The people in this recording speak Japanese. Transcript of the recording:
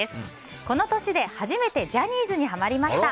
この年で初めてジャニーズにはまりました。